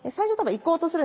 行こうとする。